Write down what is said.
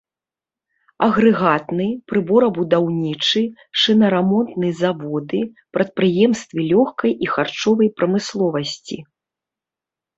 Агрэгатны, прыборабудаўнічы, шынарамонтны заводы, прадпрыемствы лёгкай і харчовай прамысловасці.